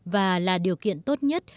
và là điều kiện tốt nhất